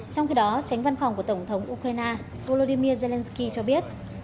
trong khi đó tránh văn phòng của tổng thống ukraine volodymyr zelensky cho biết